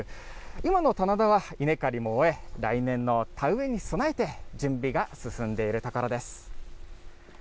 今の棚田は稲刈りも終え、来年の田植えに備えて準備が進んでいるところです。